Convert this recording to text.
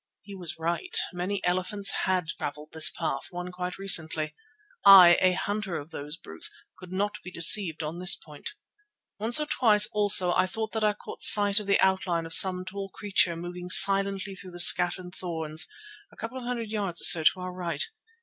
He was right; many elephants had travelled this path—one quite recently. I, a hunter of those brutes, could not be deceived on this point. Once or twice also I thought that I caught sight of the outline of some tall creature moving silently through the scattered thorns a couple of hundred yards or so to our right.